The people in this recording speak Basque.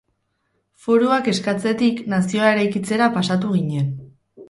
Foruak eskatzetik nazioa eraikitzera pasatu ginen.